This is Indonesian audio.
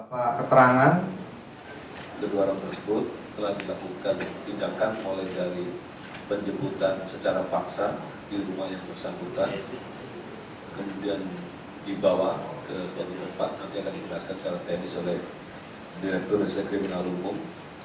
dia akan dikenalkan secara teknis oleh direktur residen kriminal hukum